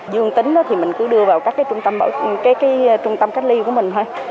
dương tính thì mình cứ đưa vào các cái trung tâm cách ly của mình thôi